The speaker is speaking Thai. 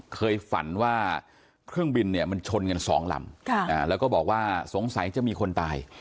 เคยฝันว่าเครื่องบินเนี่ยมันชนกันสองลำแล้วก็บอกว่าสงสัยจะมีคนตาย